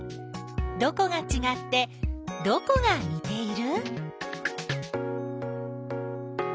どこがちがってどこがにている？